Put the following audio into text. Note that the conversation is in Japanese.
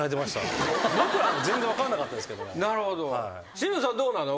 清水さんどうなの？